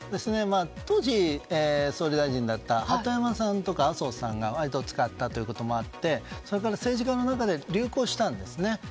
当時、総理大臣だった鳩山さんとか麻生さんが割と使ったということもあってそれから政治家の中で流行したんですね。